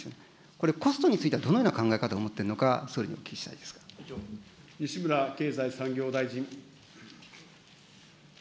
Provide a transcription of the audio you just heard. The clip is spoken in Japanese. これ、コストについてはどのような考え方を持ってるのか、それを西村経済産業大臣。